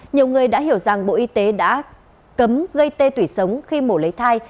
nhiều người đã hiểu rằng bộ y tế đã cấm gây tê tủy sống khi mổ lấy thai